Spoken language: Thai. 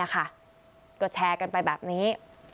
ก็แชร์กันไปแบบนี้